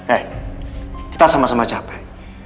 eh kita sama sama capai